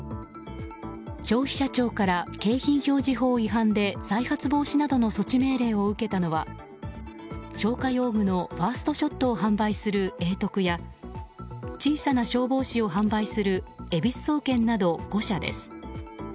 消費者庁から景品表示法違反で再発防止などの措置命令を受けたのは消火用具のＦｉｒｓｔＳｈｏｔを販売する栄徳や小さな消防士を販売するエビス総研など５社です。